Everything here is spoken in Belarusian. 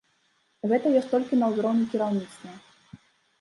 Гэта ёсць толькі на ўзроўні кіраўніцтва.